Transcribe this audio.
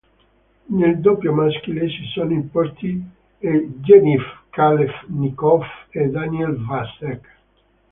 Nel doppio maschile si sono imposti Evgenij Kafel'nikov e Daniel Vacek.